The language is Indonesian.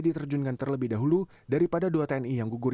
diterjunkan terlebih dahulu daripada dua tni yang gugur